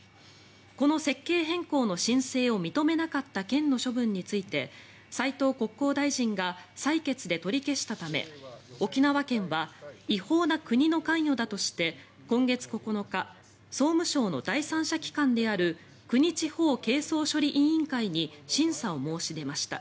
この設計変更の申請を認めなかった県の処分について斉藤国交大臣が裁決で取り消したため沖縄県は違法な国の関与だとして今月９日総務省の第三者機関である国地方係争処理委員会に審査を申し出ました。